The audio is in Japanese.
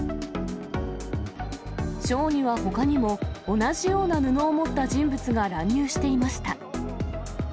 ショーにはほかにも、同じような布を持った人物が乱入していました。